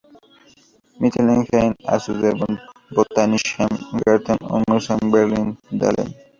Mitteilungen aus dem Botanischen Garten und Museum Berlin-Dahlem".